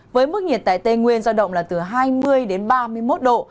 với mức nhiệt tại tây nguyên giao động là từ hai mươi ba mươi một độ